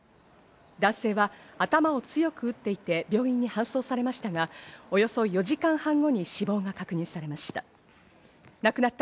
男性は頭を強く打っていて、病院に搬送されましたが、およそ４時間半後に死亡が確認されました。